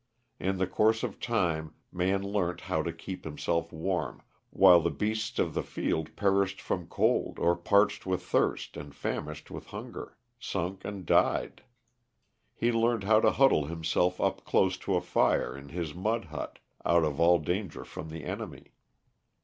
In the course of time man learnt how to keep himself warm, while the beasts of the field perished from cold or parched with thirst and famished with hunger, sunk and died; he learnt how to huddle himself up close to a fire in his mud hut, out of all danger from the enemy.